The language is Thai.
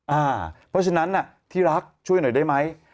เพราะฉะนั้นที่รักช่วยหน่อยได้ไหม